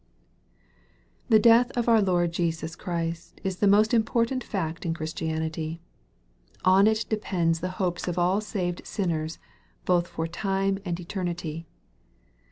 THE death of our Lord Jesus Christ is the most impor tant fact in Christianity. On it depend the hopes of all saved sinners both for time and eternity.